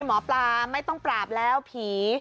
หมอปลาไม่ต้องปราบแล้วผี